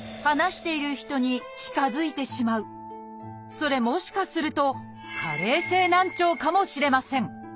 それもしかすると「加齢性難聴」かもしれません。